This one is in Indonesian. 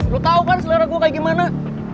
lo tau kan selera gue kayak gimana